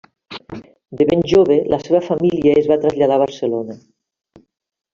De ben jove, la seva família es va traslladar a Barcelona.